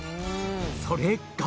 それが